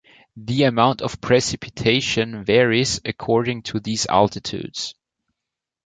The amount of precipitation varies according to these altitudes.